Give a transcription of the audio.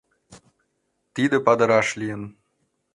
Тиде Падыраш лийын.